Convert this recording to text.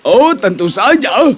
oh tentu saja